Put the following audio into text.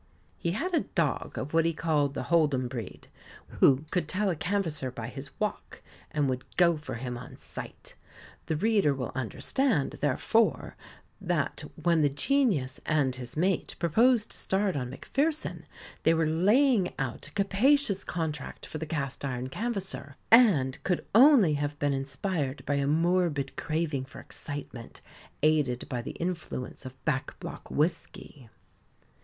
He had a dog of what he called the Hold'em breed, who could tell a canvasser by his walk, and would go for him on sight. The reader will understand, therefore, that, when the Genius and his mate proposed to start on Macpherson, they were laying out a capacious contract for the Cast iron Canvasser, and could only have been inspired by a morbid craving for excitement, aided by the influence of backblock whisky.